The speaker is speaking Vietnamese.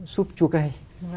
súp chua cay